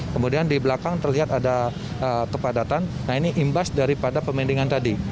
kemudian di belakang terlihat ada kepadatan nah ini imbas daripada pemendingan tadi